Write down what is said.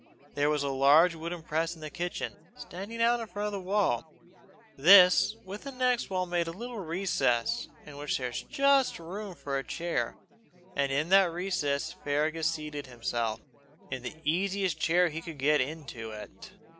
There was a large wooden press in the kitchen, standing out from the wall; this with the next wall made a little recess, in which there was just room for a chair; and in that recess Fergus seated himself, in the easiest chair he could get into it.